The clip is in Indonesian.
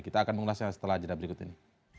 kita akan mengulasnya setelah jeda berikut ini